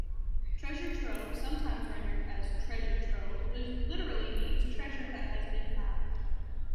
"Treasure trove", sometimes rendered "treasure-trove", literally means "treasure that has been found".